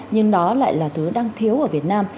nhưng đó lại là thứ đang thiếu ở việt nam